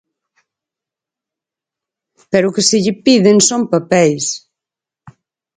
Pero "o que se lle piden son papeis".